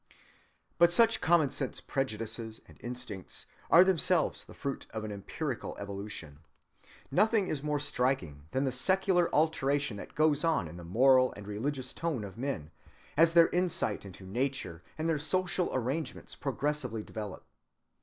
But such common‐sense prejudices and instincts are themselves the fruit of an empirical evolution. Nothing is more striking than the secular alteration that goes on in the moral and religious tone of men, as their insight into nature and their social arrangements progressively develop.